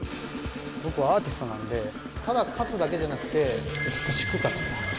僕、アーティストなんで、ただ勝つだけじゃなくて、美しく勝ちます。